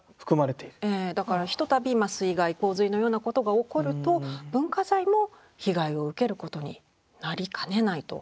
だからひとたび水害洪水のようなことが起こると文化財も被害を受けることになりかねないと。